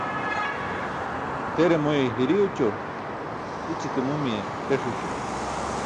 Tere moye hiri oćo, i̇ćite mumiye teṣ ećo.